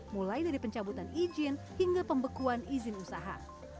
mulai dari pencabutan izin hingga pembekuan izin usaha